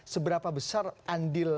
seberapa besar andil pan